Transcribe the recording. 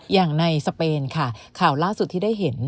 อย่างในสเปนค่ะข่าวล่าสุดที่ได้เห็น